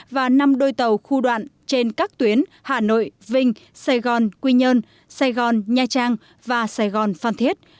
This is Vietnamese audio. và năm đôi tàu khu đoạn trên các tuyến hà nội vinh sài gòn quy nhơn sài gòn nha trang và sài gòn phan thiết